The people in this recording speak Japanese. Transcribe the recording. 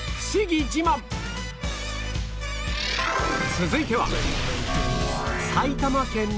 続いては